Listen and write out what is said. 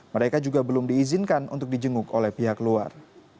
mereka juga belum diizinkan untuk dijenguk oleh pihak luar